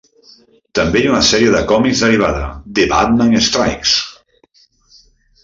També hi ha una sèrie de còmics derivada, The Batman Strikes!